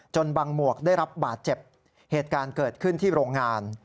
บางหมวกได้รับบาดเจ็บเหตุการณ์เกิดขึ้นที่โรงงาน